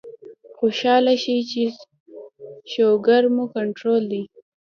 خوشاله شئ چې شوګر مو کنټرول دے